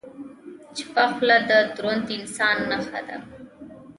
چپه خوله، د دروند انسان نښه ده.